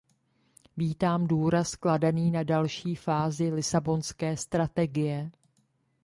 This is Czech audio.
Vítám důraz kladený na další fázi Lisabonské strategie.